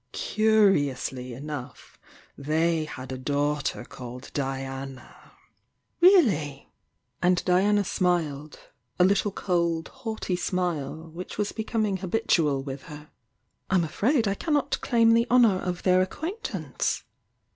Curiously enough, they had a daughter called Diana." "Really!" And Diana smiled— a little cold, haughty smile which was becoming habitual with her. "I'm afraid I cannot claim the honour of their acquaintance!"